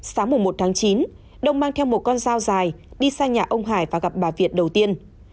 sáng một tháng chín đông mang theo một con dao dài đi sang nhà ông hải và gặp bà việt đầu tiên